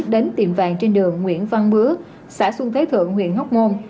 đến tiệm vàng trên đường nguyễn văn bứa xã xuân thế thượng huyện hóc môn